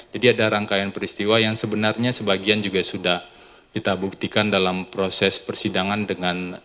jadi ada rangkaian peristiwa yang sebenarnya sebagian juga sudah kita buktikan dalam peristiwa ini